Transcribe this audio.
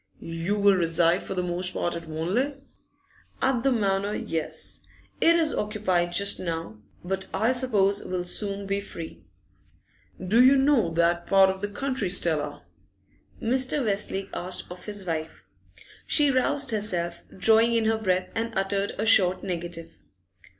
'You will reside for the most part at Wanley?' 'At the Manor, yes. It is occupied just now, but I suppose will soon be free.' 'Do you know that part of the country, Stella?' Mr. Westlake asked of his wife. She roused herself, drawing in her breath, and uttered a short negative.